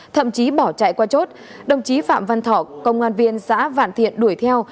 thậm chí bỏ chạy qua chốt đồng chí phạm văn thọ công an viên xã vạn thiện đuổi theo